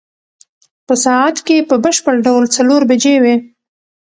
په ساعت کې په بشپړ ډول څلور بجې وې.